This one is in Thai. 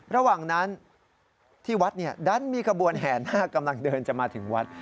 ระหว่างนั้นที่วัดดันมีขบวนแห่นาคกำลังเดินจะมาถึงวัด